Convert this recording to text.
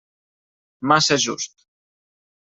Massa just.